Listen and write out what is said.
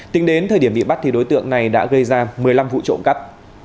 tính đến thời điểm bị bắt đối tượng này đã gây ra một mươi năm vụ trộm cắp